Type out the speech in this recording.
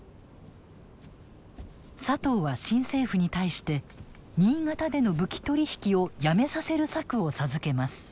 サトウは新政府に対して新潟での武器取り引きをやめさせる策を授けます。